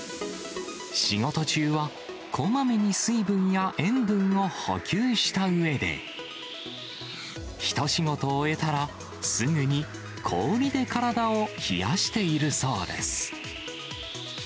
仕事中はこまめに水分や塩分を補給したうえで、一仕事終えたら、すぐに氷で体を冷やしているそうです。